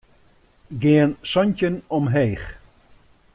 Gean santjin omheech.